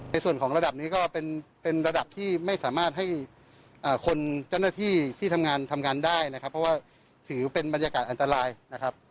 ในส่วนของระดับนี้ก็เป็นระดับที่ไม่สามารถให้คนเจ้าหน้าที่ที่ทำงานทำงานได้นะครับเพราะว่าถือเป็นบรรยากาศอันตรายนะครับ